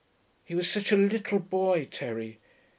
He was such a little boy, Terry